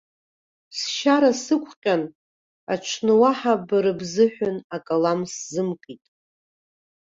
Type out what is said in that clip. Сшьара сықәҟьан, аҽны уаҳа бара бзыҳәан акалам сзымкит.